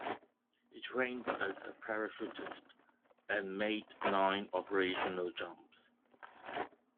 He trained as a parachutist, and made nine operational jumps.